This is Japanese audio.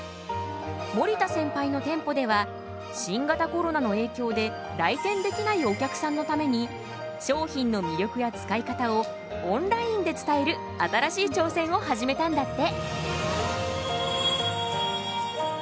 守田センパイの店舗では新型コロナの影響で来店できないお客さんのために商品の魅力や使い方をオンラインで伝える新しい挑戦を始めたんだって。